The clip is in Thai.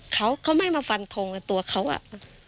เขาไม่มาฟันทงตัวเขาอ่ะ